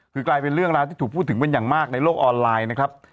คือกลายเป็นเรื่องราวที่ถูกพูดถึงเป็นอย่างมากในโลกออนไลน์นะครับ